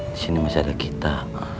disini masih ada kita